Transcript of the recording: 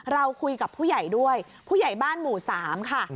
เราคุยกับผู้ใหญ่ด้วยผู้ใหญ่บ้านหมู่๓ค่ะ